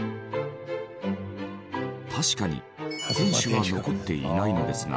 確かに天守は残っていないのですが。